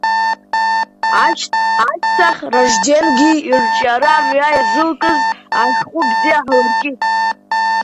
Ашьҭахь Ражденгьы ирҿиара мҩа иазылкыз ашәҟәы бзиа ҳлыркит.